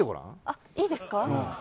あっいいですか？